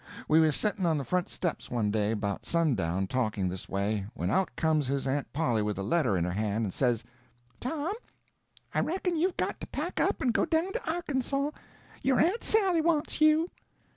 We was setting on the front steps one day about sundown talking this way, when out comes his aunt Polly with a letter in her hand and says: "Tom, I reckon you've got to pack up and go down to Arkansaw—your aunt Sally wants you."